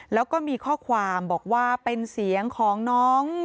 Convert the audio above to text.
แล้วก็มีข้อความบอกว่าเป็นเสียงของน้อง